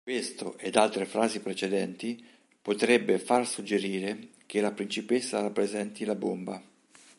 Questo, ed altre frasi precedenti, potrebbe far suggerire che la principessa rappresenti la bomba.